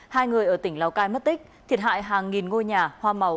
hai người ở tỉnh lào cai mất tích thiệt hại hàng nghìn ngôi nhà hoa màu